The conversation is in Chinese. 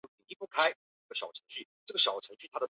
直到今日都没有中断